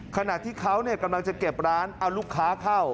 ขณะที่เขากำลังจะเก็บร้านเอาลูกค้าเข้า